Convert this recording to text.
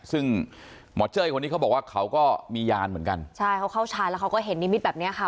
ซึ่งหมอเจ้ยคนนี้เขาบอกว่าเขาก็มียานเหมือนกันใช่เขาเข้าชาญแล้วเขาก็เห็นนิมิตแบบเนี้ยค่ะ